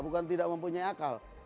bukan tidak mempunyai akal